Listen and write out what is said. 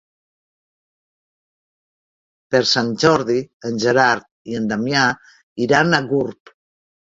Per Sant Jordi en Gerard i en Damià iran a Gurb.